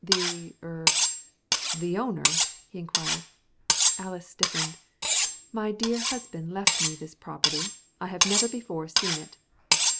"The er the owner?" he inquired. Alys stiffened. "My dear husband left me this property. I have never before seen it."